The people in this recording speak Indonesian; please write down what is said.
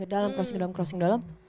ke dalam crossing ke dalam crossing ke dalam